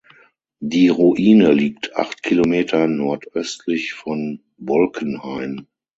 Die Ruine liegt acht Kilometer nordöstlich von Bolkenhain.